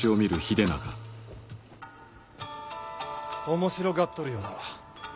面白がっとるようだわ。